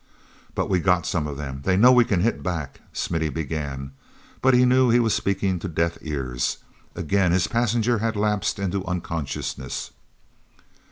"But we got some of them: they know we can hit back...." Smithy began, but knew he was speaking to deaf ears. Again his passenger had lapsed into unconsciousness.